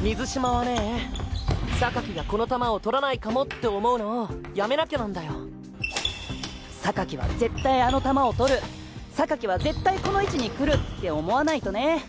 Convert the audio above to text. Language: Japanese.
水嶋はねがこの球をとらないかもって思うのをやめなきゃなんだよ。は絶対あの球をとる！は絶対この位置に来る！って思わないとね。